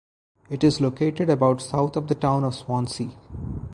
It is located about south of the town of Swansea.